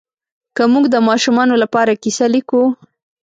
که موږ د ماشومانو لپاره کیسه لیکو